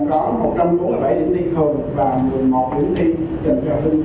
gần một mươi hai ba trăm linh sáu giáo viên